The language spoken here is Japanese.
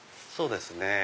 そうですね。